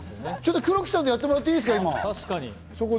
ちょっと黒木さんとやってもらっていいですか？